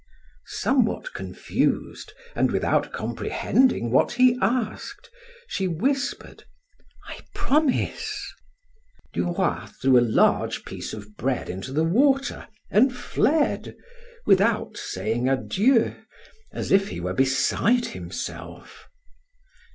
Somewhat confused, and without comprehending what he asked, she whispered: "I promise." Du Roy threw a large piece of bread into the water and fled, without saying adieu, as if he were beside himself.